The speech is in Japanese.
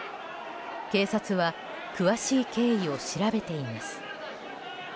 警察は詳しい経緯を調べています。